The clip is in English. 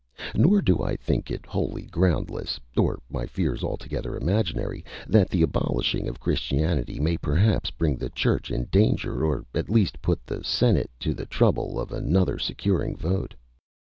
Nor do I think it wholly groundless, or my fears altogether imaginary, that the abolishing of Christianity may perhaps bring the Church in danger, or at least put the Senate to the trouble of another securing vote.